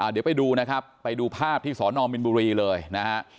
เดี๋ยวไปดูนะครับไปดูภาพที่สอนอมินบุรีเลยนะฮะ